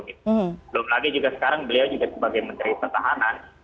belum lagi juga sekarang beliau juga sebagai menteri pertahanan